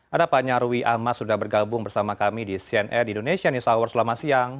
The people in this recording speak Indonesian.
ada pak nyarwi ahmad sudah bergabung bersama kami di cnn indonesia news hour selama siang